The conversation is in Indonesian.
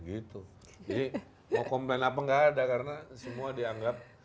jadi mau complain apa nggak ada karena semua dianggap